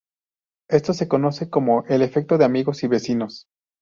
Esto se conoce como el "efecto de amigos y vecinos".